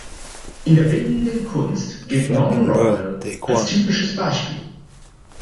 In der bildenden Kunst gilt Norman Rockwell als typisches Beispiel.